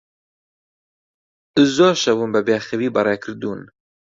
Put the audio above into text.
زۆر شەوم بەبێخەوی بەڕێ کردوون.